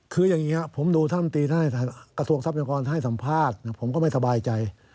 คืออย่างนี้ผมดูท่านตีท่านกระทรวงทรัพยากรให้สัมภาษณ์ผมก็ไม่สบายใจ